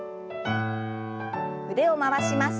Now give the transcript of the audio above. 腕を回します。